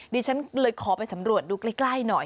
ดิฉันเลยขอไปสำรวจดูใกล้หน่อย